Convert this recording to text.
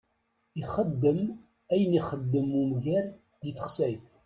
Ixeddem ayen i ixeddem umger di texsayt.